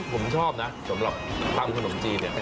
ผมชอบนะสำหรับทำขนมจีน